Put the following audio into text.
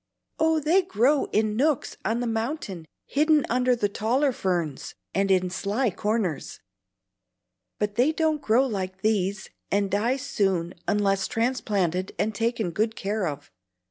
"Oh, they grow in nooks on the mountain hidden under the taller ferns, and in sly corners. But they don't grow like these, and die soon unless transplanted and taken good care of.